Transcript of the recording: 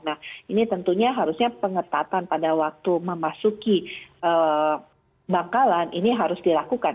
nah ini tentunya harusnya pengetatan pada waktu memasuki bangkalan ini harus dilakukan